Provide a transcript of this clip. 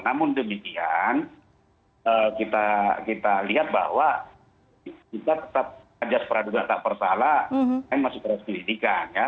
namun demikian kita lihat bahwa kita tetap ajas peraduga tak bersalah dan masih terus dididikan ya